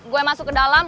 gue masuk ke dalam